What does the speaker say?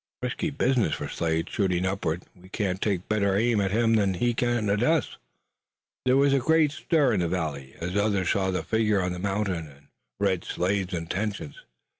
"A risky business for Slade. Shooting upward we can take better aim at him than he can at us." There was a great stir in the valley, as others saw the figure on the mountain and read Slade's intentions.